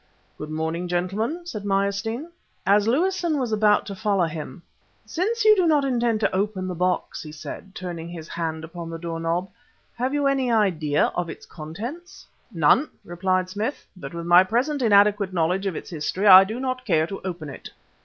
"Good morning, gentlemen," said Meyerstein. As Lewison was about to follow him "Since you do not intend to open the box," he said, turning, his hand upon the door knob, "have you any idea of its contents?" "None," replied Smith; "but with my present inadequate knowledge of its history, I do not care to open it."